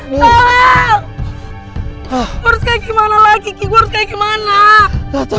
gue gak bakal gue gak bakal liat